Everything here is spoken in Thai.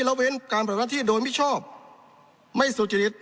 ละเว้นการปฏิบัติหน้าที่โดยมิชอบไม่สุจริต